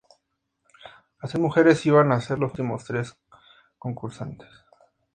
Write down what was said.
Las tres mujeres iban a ser los últimos tres concursantes.